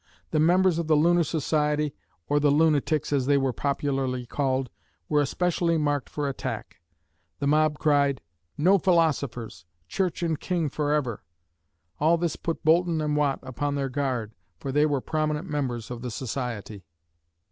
The members of the Lunar Society, or the "lunatics," as they were popularly called, were especially marked for attack. The mob cried, "No philosophers!" "Church and King forever!" All this put Boulton and Watt upon their guard, for they were prominent members of the society.